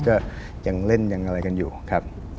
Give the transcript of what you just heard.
ก็ยังเล่นยังอะไรกันอยู่ครับ